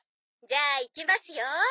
じゃあいきますよ」